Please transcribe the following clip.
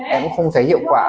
em cũng không thấy hiệu quả